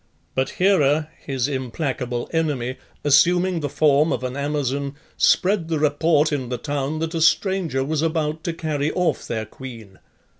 But Hera, his implacable enemy, assuming the form of an Amazon, spread the report in the town that a stranger was about to carry off their queen.